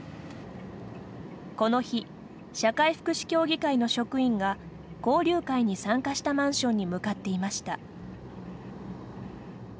この日、社会福祉協議会の職員が交流会に参加したマンションに向かっていました。